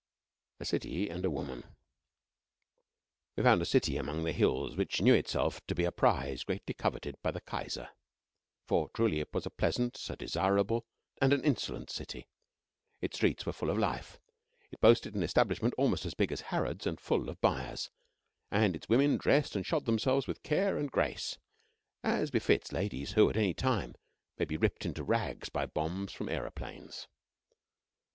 A CITY AND WOMAN We found a city among hills which knew itself to be a prize greatly coveted by the Kaiser. For, truly, it was a pleasant, a desirable, and an insolent city. Its streets were full of life; it boasted an establishment almost as big as Harrod's and full of buyers, and its women dressed and shod themselves with care and grace, as befits ladies who, at any time, may be ripped into rags by bombs from aeroplanes.